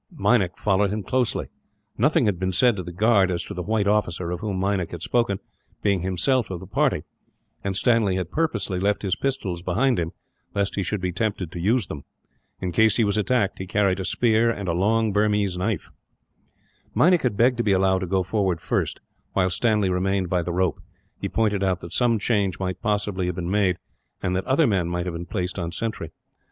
Meinik followed him closely. Nothing had been said to the guard as to the white officer, of whom Meinik had spoken, being himself of the party; and Stanley had purposely left his pistols behind him, lest he should be tempted to use them. In case he was attacked, he carried a spear and a long Burmese knife. Meinik had begged to be allowed to go forward first, while Stanley remained by the rope. He pointed out that some change might possibly have been made, and that other men might have been placed on sentry.